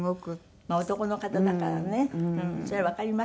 まあ男の方だからねそれはわかりますよね。